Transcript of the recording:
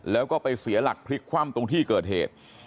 แล้วก็ไปเสียหลักพลิกคว่ำตรงที่เกิดเหตุ